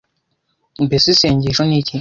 mbese isengesho ni iki